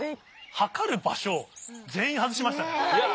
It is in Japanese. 測る場所全員外しましたね。